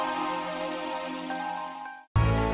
mendingan tati simpen